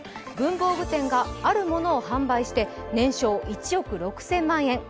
文房具店があるものを販売して年商１億６０００万円。